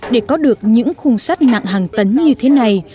để có được những khung sắt nặng hàng tấn như thế này